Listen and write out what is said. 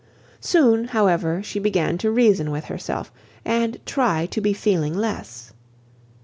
Soon, however, she began to reason with herself, and try to be feeling less.